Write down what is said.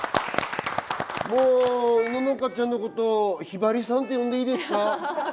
乃々佳ちゃんのことひばりさんって呼んでいいですか？